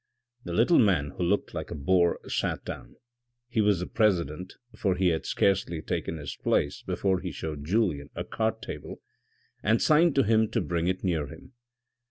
The little man who looked like a boar sat down. He was the president, for he had scarcely taken his place before he showed Julien a card table and signed to him to bring it near him.